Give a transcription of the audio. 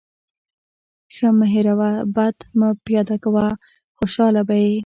ښه مه هېروه، بد مه پیاده وه. خوشحاله به يې.